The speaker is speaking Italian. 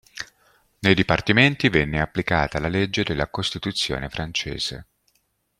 Nei dipartimenti venne applicata la legge della Costituzione francese.